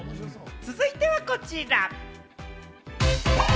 続いてはこちら。